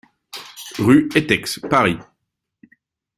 RUE ETEX, Paris